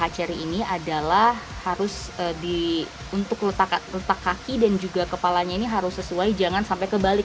kepala harus di untuk letakkan letak kaki dan juga kepalanya ini harus sesuai jangan sampai kebalik